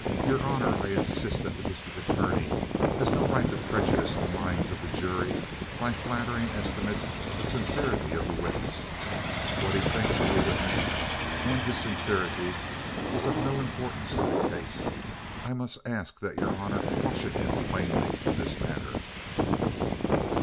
"Your honor, I insist that the district attorney has no right to prejudice the minds of the jury by flattering estimates of the sincerity of the witness. What he thinks of the witness and his sincerity is of no importance in this case. I must ask that your honor caution him plainly in this matter."